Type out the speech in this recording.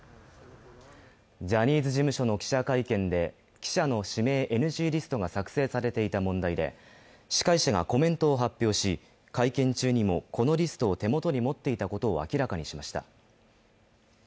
ジャニーズ事務所の記者会見で記者の指名ＮＧリストが作成されていた問題で、司会者がコメントを発表し会見中にもこのリストを手元に持っていたことを明らかにしました。